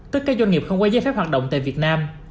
tất cả doanh nghiệp không qua giấy phép hoạt động tại việt nam